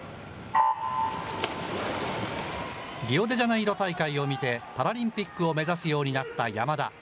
リオデジャネイロ大会を見て、パラリンピックを目指すようになった山田。